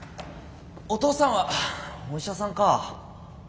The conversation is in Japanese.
お父さんはお医者さんかぁ。